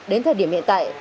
đến thời điểm hiện tại